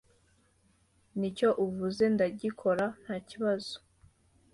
Nicyo uvuze ndagikora ntakibazo